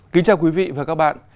kính chào quý vị và các bạn